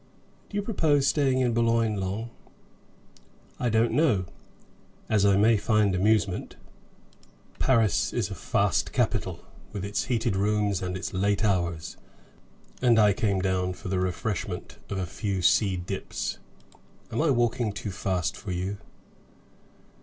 "Do you propose staying in Boulogne long?" "I don't know. As I may find amusement. Paris is a fast capital, with its heated rooms and its late hours, and I came down for the refreshment of a few sea dips. Am I walking too fast for you?"